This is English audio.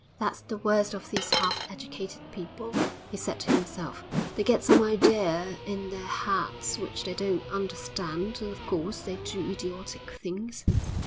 'That's the worst of these half educated people,' he said to himself; 'they get some idea in their heads which they don't understand, and, of course, they do idiotic things....'